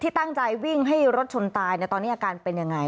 ตั้งใจวิ่งให้รถชนตายตอนนี้อาการเป็นยังไง